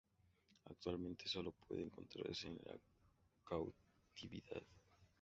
Actualmente solo pueden encontrarse en cautividad.